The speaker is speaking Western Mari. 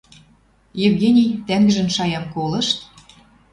Евгений, тӓнгжӹн шаям колышт